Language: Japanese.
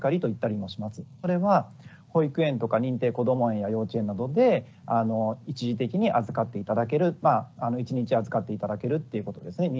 これは保育園とか認定こども園や幼稚園などで一時的に預かって頂けるまあ一日預かって頂けるっていうことですね日中ですね。